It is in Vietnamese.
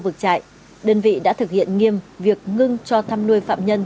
khu vực trại đơn vị đã thực hiện nghiêm việc ngưng cho thăm nuôi phạm nhân